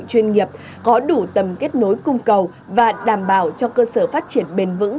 chuyên nghiệp có đủ tầm kết nối cung cầu và đảm bảo cho cơ sở phát triển bền vững